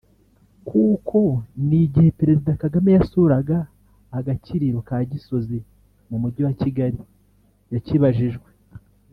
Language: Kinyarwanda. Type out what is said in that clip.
kuko n’igihe Perezida Kagame yasuraga agakiriro ka Gisozi mu mujyi wa Kigali yakibajijwe